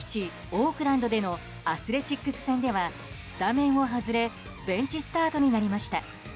オークランドでのアスレチックス戦ではスタメンを外れベンチスタートになりました。